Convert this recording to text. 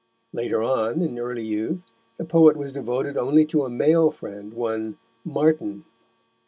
Later on, in early youth, the poet was devoted only to a male friend, one Martin.